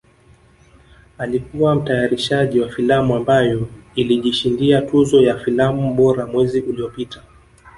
Alikuwa mtayarishaji wa filamu ambayo ilijishindia tuzo ya filamu bora mwezi uliopita